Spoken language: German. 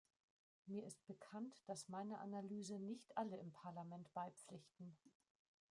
Mir ist bekannt, dass meiner Analyse nicht alle im Parlament beipflichten.